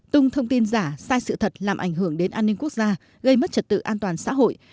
tung thông tin giả sai sự thật làm ảnh hưởng đến an ninh quốc gia gây mất trật tự an toàn xã hội